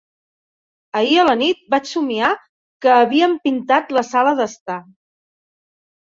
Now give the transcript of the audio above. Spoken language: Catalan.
Ahir a la nit vaig somiar que havíem pintat la sala d'estar.